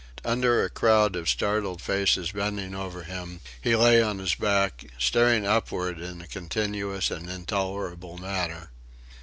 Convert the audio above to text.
Under a crowd of startled faces bending over him he lay on his back, staring upwards in a continuous and intolerable manner.